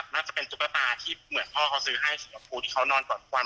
น่าจะเป็นตุ๊กตาที่เหมือนพ่อเขาซื้อให้สิงคูที่เขานอนก่อนควัน